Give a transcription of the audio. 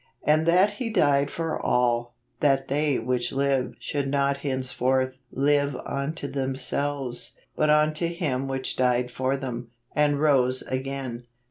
"And that He died for all, that they which live should not henceforth live unto themselves, but unto Him which died for them, and rose again